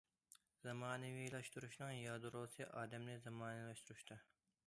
زامانىۋىلاشتۇرۇشنىڭ يادروسى ئادەمنى زامانىۋىلاشتۇرۇشتا.